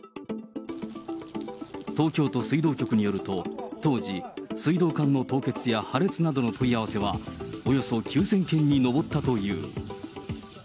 東京都水道局によると、当時、水道管の凍結や破裂などの問い合わせはおよそ９０００件に上ったという。